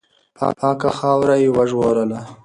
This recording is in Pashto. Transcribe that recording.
پاکه خاوره یې وژغورله.